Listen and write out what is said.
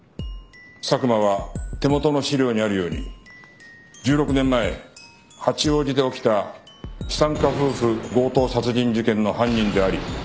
佐久間は手元の資料にあるように１６年前八王子で起きた資産家夫婦強盗殺人事件の犯人であり４